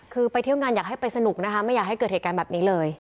คือไปเที่ยวงานอยากให้ไปสนุกนะคะไม่อยากให้เกิดเหตุการณ์แบบนี้เลย